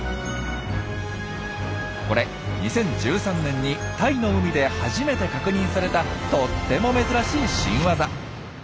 これ２０１３年にタイの海で初めて確認されたとっても珍しい新ワザ。